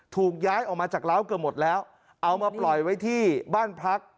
ถูกย้ายออกมาจากล้าวเกือบหมดแล้วเอามาปล่อยไว้ที่บ้านพัก